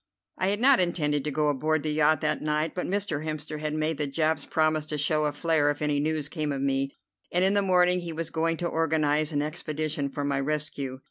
I had not intended to go aboard the yacht that night, but Mr. Hemster had made the Japs promise to show a flare if any news came of me, and in the morning he was going to organize an expedition for my rescue.